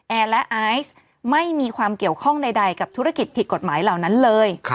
และไอซ์ไม่มีความเกี่ยวข้องใดกับธุรกิจผิดกฎหมายเหล่านั้นเลย